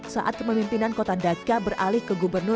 saat kemimpinan kota daka beralih ke gubernur